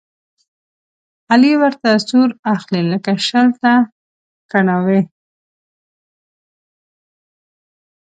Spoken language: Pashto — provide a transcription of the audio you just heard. علي ورته سور اخلي، لکه شل ته کڼاوې.